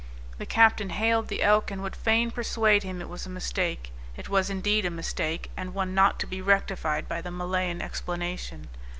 The captain hailed the Elk, and would fain persuade him it was a mistake. It was indeed a mistake, and one not to be rectified by the Malayan explanation.